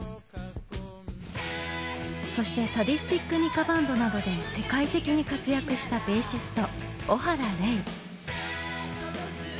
そしてサディスティック・ミカ・バンドなどで世界的に活躍したベーシスト小原礼。